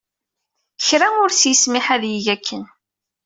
Kra ur s-yesmiḥ ad yeg akken.